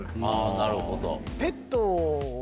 なるほど。